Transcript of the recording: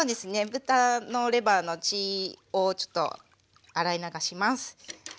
豚のレバーの血をちょっと洗い流します。